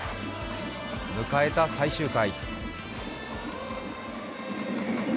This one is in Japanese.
迎えた最終回。